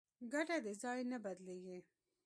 کټه د ځای نه بدلېږي.